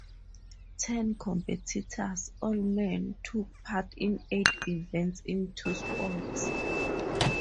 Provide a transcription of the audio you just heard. Ten competitors, all men, took part in eight events in two sports.